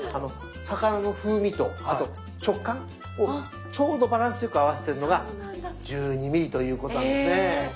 魚の風味とあと食感をちょうどバランスよく合わせてるのが１２ｍｍということなんですね。